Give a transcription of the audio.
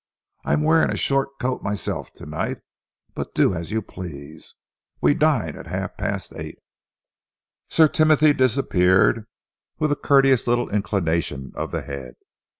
I am wearing a short coat myself to night, but do as you please. We dine at half past eight." Sir Timothy disappeared with a courteous little inclination of the head.